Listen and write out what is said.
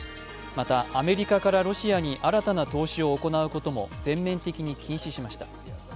またアメリカからロシアに新たな投資を行うことも全面的に禁止しました。